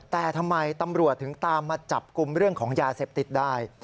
แต่ทำไมตำรวจถึงตามมาจับกลุ่มเรื่องของยาเสพติดได้